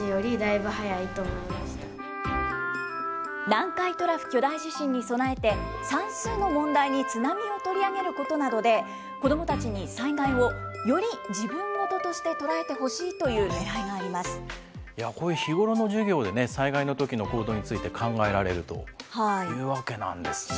南海トラフ巨大地震に備えて、算数の問題に津波を取り上げることなどで、子どもたちに災害をより自分事として捉えてほしいというねらいがこういう日頃の授業でね、災害のときの行動について考えられるというわけなんですね。